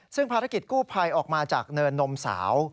ซึ่งภารกิจกู้ภัยออกมาจากเนินนมสาว